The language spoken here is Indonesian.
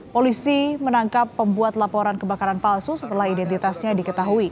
polisi menangkap pembuat laporan kebakaran palsu setelah identitasnya diketahui